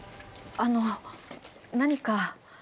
あの何か？